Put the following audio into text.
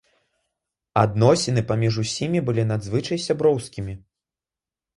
Адносіны паміж усімі былі надзвычай сяброўскімі.